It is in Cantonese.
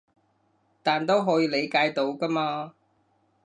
但都可以理解到㗎嘛